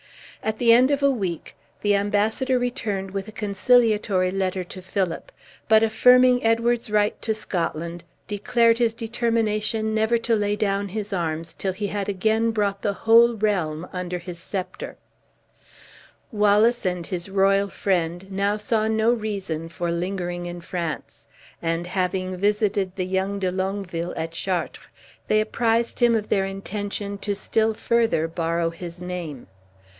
At the end of a week, the embassador returned with a conciliatory letter to Philip; but, affirming Edward's right to Scotland, declared his determination never to lay down his arms till he had again brought the whole realm under his scepter. Wallace and his royal friend now saw no reason for lingering in France; and having visited the young De Longueville at Chartres, they apprised him of their intention to still further borrow his name.